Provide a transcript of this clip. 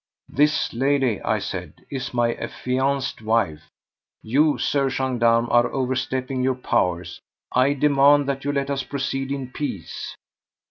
"This lady," I said, "is my affianced wife. You, Sir Gendarme, are overstepping your powers. I demand that you let us proceed in peace."